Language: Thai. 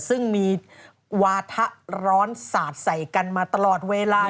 ซึ่งมีวาถะร้อนสาดใส่กันมาตลอดเวลา